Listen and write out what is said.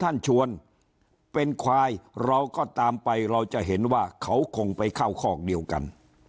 ชวนเป็นควายเราก็ตามไปเราจะเห็นว่าเขาคงไปเข้าคอกเดียวกัน